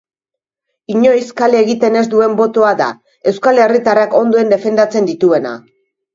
Inoiz kale egiten ez duen botoa da, euskal herritarrak ondoen defendatzen dituena.